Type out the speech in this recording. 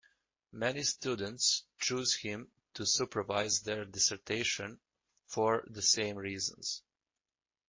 Many students chose him to supervise their dissertation for the same reasons.